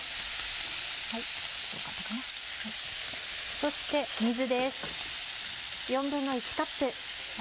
そして水です。